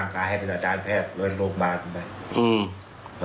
ในไหนเราตั้งใจอันนี้ไม่ได้แล้วก็เอาอันนู้นไปแล้วค่ะ